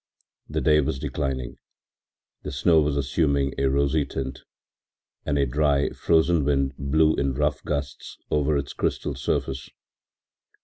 The day was declining, the snow was assuming a rosy tint, and a dry, frozen wind blew in rough gusts over its crystal surface.